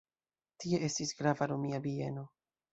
Tie estis grava romia bieno.